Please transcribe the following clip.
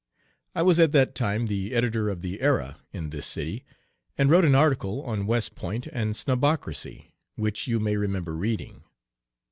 I was at that time the editor of the Era in this city, and wrote an article on West Point and snobocracy which you may remember reading.